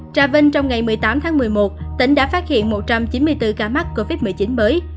trà vinh trong ngày một mươi tám tháng một mươi một tỉnh đã phát hiện một trăm chín mươi bốn ca mắc covid một mươi chín mới